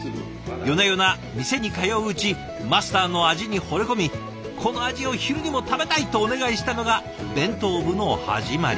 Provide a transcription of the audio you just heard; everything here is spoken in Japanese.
夜な夜な店に通ううちマスターの味にほれ込み「この味を昼にも食べたい！」とお願いしたのが弁当部の始まり。